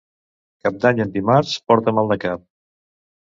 Cap d'Any en dimarts porta mal de cap.